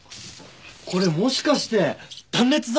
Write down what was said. これもしかして断熱材？